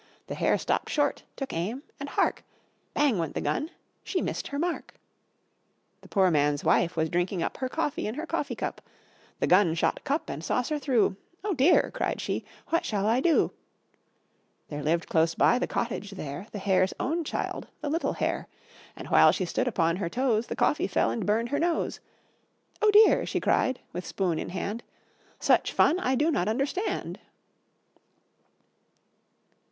The hare stopped short, took aim and, hark! Bang went the gun she missed her mark! The poor man's wife was drinking up Her coffee in her coffee cup; The gun shot cup and saucer through; "Oh dear!" cried she; "what shall I do?" There lived close by the cottage there The hare's own child, the little hare; And while she stood upon her toes, The coffee fell and burned her nose. "Oh dear!" she cried, with spoon in hand, "Such fun I do not understand."